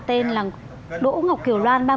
tên là đỗ ngọc kiểu loan